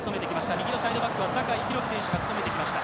右のサイドバックは酒井宏樹選手が務めてきました。